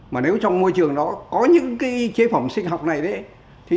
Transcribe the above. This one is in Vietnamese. mà nếu trong môi trường nó có những cái chế phẩm sinh học này đấy